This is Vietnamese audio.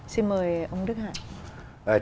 xin mời ông đức hải